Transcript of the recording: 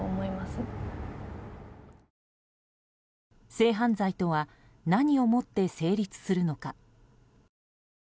性犯罪とは何をもって成立するのか。